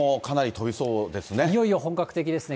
いよいよ本格的ですね。